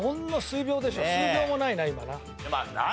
数秒もないな今な。